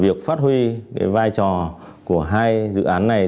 việc phát huy vai trò của hai dự án này